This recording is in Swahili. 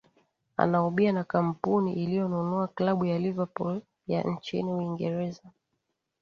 anaubia na kampuni iliyonunua klabu ya liverpool ya nchini uingereza